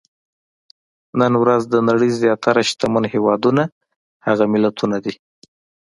نن ورځ د نړۍ زیاتره شتمن هېوادونه هغه ملتونه دي.